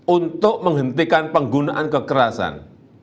untuk menghentikan penggunaan kekerasan